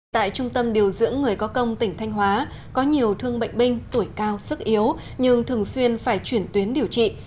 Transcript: tại trung tâm điều dưỡng người có công tỉnh thanh hóa có nhiều thương bệnh binh tuổi cao sức yếu nhưng thường xuyên phải chuyển tuyến điều trị